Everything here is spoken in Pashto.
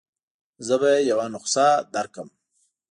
زه به يې یوه نسخه درکړم.